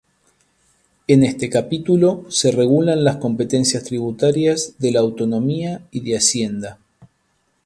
En este capítulo se regulan las competencias tributarias de la autonomía y de hacienda.